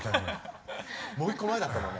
もう一個前だったのね。